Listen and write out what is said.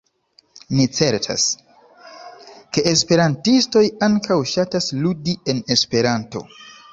Ni certas, ke esperantistoj ankaŭ ŝatas ludi en Esperanto!